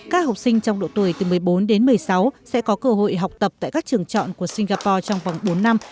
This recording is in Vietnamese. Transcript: các học sinh trong độ tuổi từ một mươi bốn đến một mươi sáu sẽ có cơ hội học tập tại các trường chọn của singapore trong vòng bốn năm